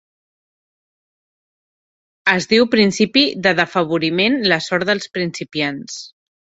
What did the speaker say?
Es diu principi de d'afavoriment, la sort dels principiants.